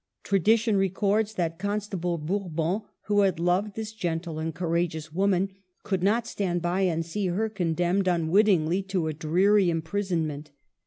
Tradition records that Constable Bourbon, who had loved ^this gentle and courageous woman, could not stand by and see her condemned un witting to a dreary imprisonment.